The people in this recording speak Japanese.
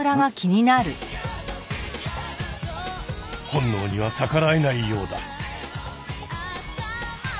本能には逆らえないようだ。